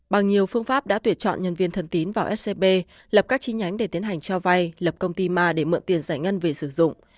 bằng nhiều phương pháp đã tuyển chọn nhân viên thần tín vào scb lập các chi nhánh để tiến hành cho vay lập công ty ma để mượn tiền giải ngân về sử dụng